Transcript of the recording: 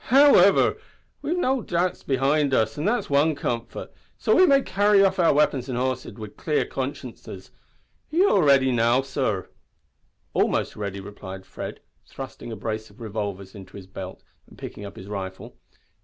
"Howiver, we lave no dibts behind us, that's wan comfort, so we may carry off our weapons an' horses wid clear consciences. Are ye all ready now, sor?" "Almost ready," replied Fred, thrusting a brace of revolvers into his belt and picking up his rifle.